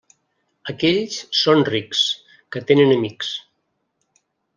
Aquells són rics, que tenen amics.